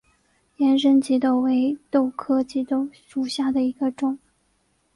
盐生棘豆为豆科棘豆属下的一个种。